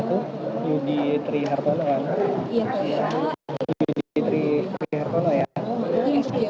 ud tri hartono ya